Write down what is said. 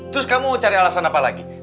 terus kamu cari alasan apa lagi